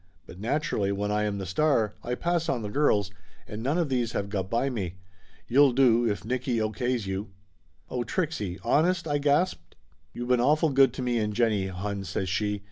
But nat urally, when I am the star, I pass on the girls, and none Laughter Limited 161 of these have got by me. You'll do, if Nicky O. K's you." "Oh, Trixie honest?" I gasped. "You been awful good to me and Jennie, hon," says she.